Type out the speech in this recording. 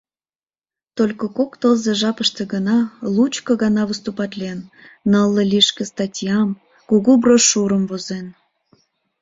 Только кок тылзе жапыште гына лучко гана выступатлен, нылле лишке статьям, кугу брошюрым возен.